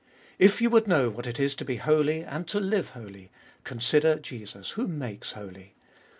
If you would know what it is to be holy and to live holy, consider Jesus who makes holy